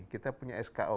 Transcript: kita punya sko